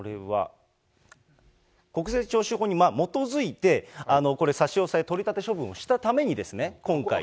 国税徴収法に基づいて、差し押さえ、取り立て処分をしたために、今回。